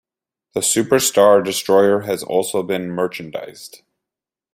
The Super Star Destroyer has also been merchandised.